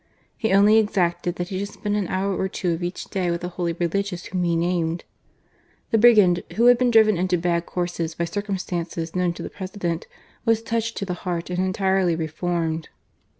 He imfy exacted that he should spend an hour or two ^ each day with a hofy religious whom be nan^As The brigand, who had been driven into bad coQUM by circumstances kndwn to the Pre^dent, wss touched to the h^urt and entirely reformed.